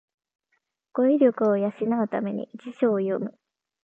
語彙力を養うために辞書を読む